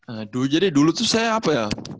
aduh jadi dulu tuh saya apa ya